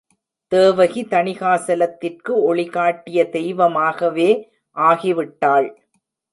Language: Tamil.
தேவகி தணிகாசலத்திற்கு ஒளி காட்டிய தெய்வமாகவே ஆகிவிட்டாள்.